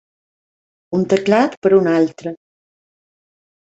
Un teclat per un altre.